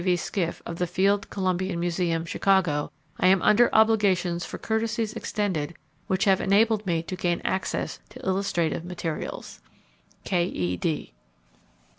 V. Skiff, of the Field Columbian Museum, Chicago, I am under obligations for courtesies extended which have enabled me to gain access to illustrative materials. K. E. D.